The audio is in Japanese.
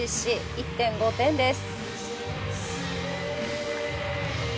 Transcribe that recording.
１．５点です。